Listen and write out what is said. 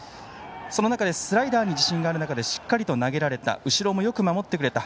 その中でスライダーに自信がある中でしっかりと投げられた後ろもよく守ってくれた。